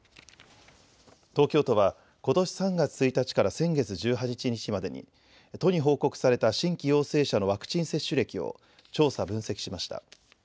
東京都はことし３月１日から先月１８日までに都に報告された新規陽性者のワクチン接種歴を調査、分析しました。